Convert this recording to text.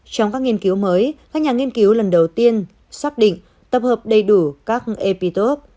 trong các nghiên cứu mới các nhà nghiên cứu lần đầu tiên xác định tập hợp đầy đủ các epitop